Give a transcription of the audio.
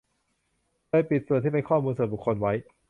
โดยปิดส่วนที่เป็นข้อมูลส่วนบุคคลไว้